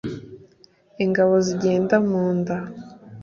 ingabo zigenda mu nda